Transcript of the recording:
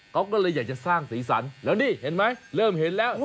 เขาก็เลยอยากจะสร้างสีสันแล้วนี่เห็นไหมเริ่มเห็นแล้ว